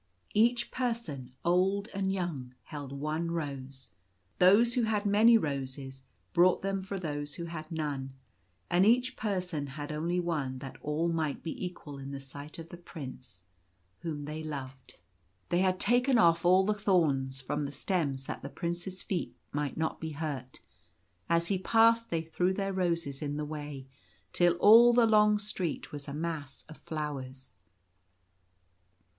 Each person, old and young, held one rose. Those who had many roses brought them for those who had none ; and each person had only one that all might be equal in the sight of the Prince whom they loved. 4+ Blessed with Peace. They had taken off all the thorns from the stems that the Prince's feet might not be hurt. As he passed they threw their roses in the way, till all the long street was a mass of flowers.